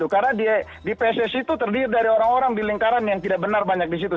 karena di pssi itu terdiri dari orang orang di lingkaran yang tidak benar banyak di situ